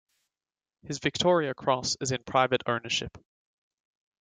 His Victoria Cross is in private ownership.